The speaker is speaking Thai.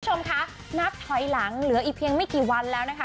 คุณผู้ชมคะนับถอยหลังเหลืออีกเพียงไม่กี่วันแล้วนะคะ